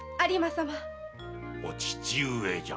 「お父上」じゃ。